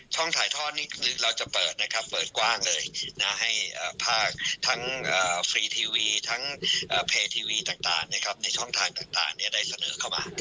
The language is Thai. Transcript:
ช่องถ่ายทอดนี้เราจะเปิดกว้างเลยให้ภาคทั้งฟรีทีวีทั้งเพย์ทีวีต่างในช่องทางต่างได้เสนอเข้ามา